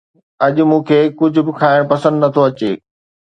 اڄ مون کي ڪجهه به کائڻ پسند نه ٿو اچي